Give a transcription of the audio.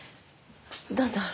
どうぞ。